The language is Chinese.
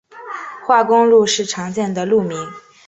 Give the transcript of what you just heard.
化工路是常见的路名。